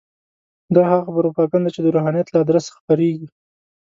دا هغه پروپاګند دی چې د روحانیت له ادرسه خپرېږي.